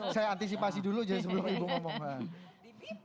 saya antisipasi dulu jadi sebelum ibu ngomong